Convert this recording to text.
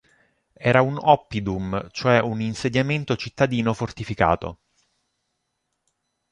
Era un Oppidum, cioè un insediamento cittadino fortificato.